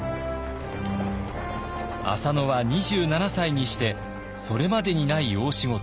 浅野は２７歳にしてそれまでにない大仕事